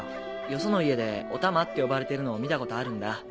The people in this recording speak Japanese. よその家で「お玉」って呼ばれてるのを見たことあるんだ。